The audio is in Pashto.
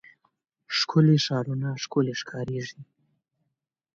ښکلي ښارونه ښکلي ښکاريږي.